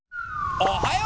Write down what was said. おっはよう！